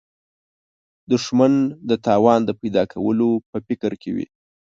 دښمن د تاوان د پیدا کولو په فکر کې وي